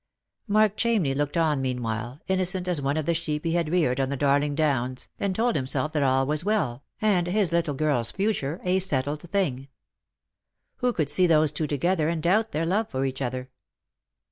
Mark Chamney looked on meanwhile, innocent as one of the sheep he had reared on the Darling Downs, and told himself that all was well, and his little girl's future a settled thing. Who could see those two together and doubt their love for each other